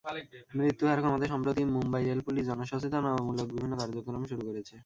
মৃত্যুহার কমাতে সম্প্রতি Mumbai rail police জনসচেতনতামূলক বিভিন্ন কার্যক্রম শুরু করেছে।